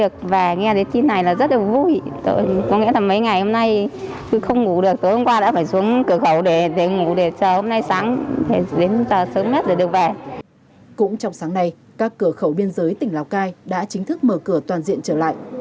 cũng trong sáng nay các cửa khẩu biên giới tỉnh lào cai đã chính thức mở cửa toàn diện trở lại